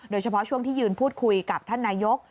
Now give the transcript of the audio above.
โดยเฉพาะช่วงที่ยืนพูดคุยกับท่านนายก